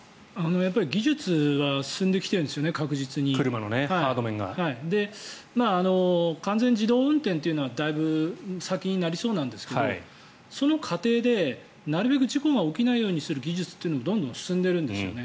技術は進んできているんですよね確実に完全自動運転というのはだいぶ先になりそうなんですけどその過程でなるべく事故が起きないようにする技術もどんどん進んでいるんですね。